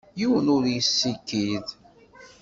Yiwen ur yessikid.